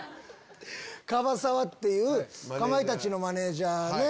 樺澤っていうかまいたちのマネジャーね。